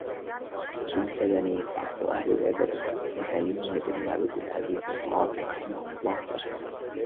وَأَنْشَدَنِي بَعْضُ أَهْلِ الْأَدَبِ لِعَلِيِّ بْنِ عَبْدِ الْعَزِيزِ الْقَاضِي رَحِمَهُ اللَّهُ تَعَالَى